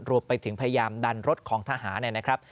รวมไปถึงพยายามดันรถของทหารนะครับ